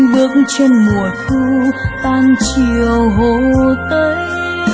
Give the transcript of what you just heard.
bước trên mùa thu tan chiều hồ tây